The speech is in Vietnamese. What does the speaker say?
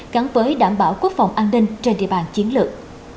gắn với đảm bảo quốc phòng an ninh trên địa bàn chiến lược